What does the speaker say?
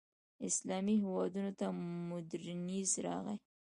اسلامي هېوادونو ته مډرنیزم راغی.